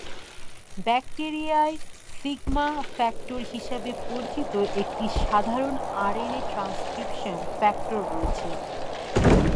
ব্যাকটিরিয়ায় sigma factor হিসাবে পরিচিত একটি সাধারণ আরএনএ ট্রান্সক্রিপশন ফ্যাক্টর রয়েছে।